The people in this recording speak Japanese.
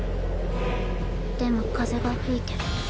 でも風が吹いてる。